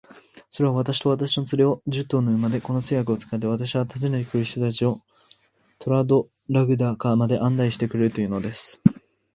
それは、私と私の連れを、十頭の馬で、この通訳を使って、私は訪ねて来る人たちとトラルドラグダカまで案内してくれるというのです。